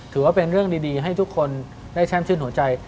ถือว่าเป็นเรื่องดีให้ทุกคนได้แช่มชื่นหัวใจ